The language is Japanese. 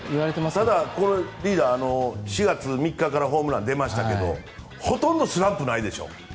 ただ、４月３日からホームラン出ましたけどほとんどスランプがないでしょ。